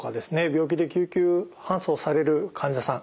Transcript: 病気で救急搬送される患者さん